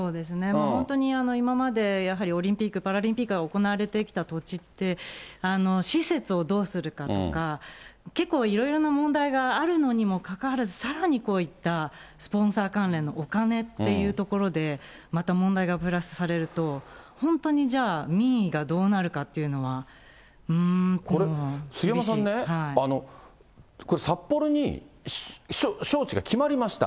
本当に今までやはり、オリンピック・パラリンピックが行われてきた土地って、施設をどうするかとか、結構、いろいろな問題があるのにもかかわらず、さらにこういったスポンサー関連のお金っていうところで、また問題がプラスされると、本当にじゃあ、民意がどうなるかっていうのは、うーん、これ、杉山さんね、札幌に招致が決まりました。